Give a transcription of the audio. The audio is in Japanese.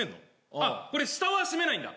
あっこれ下はしめないんだ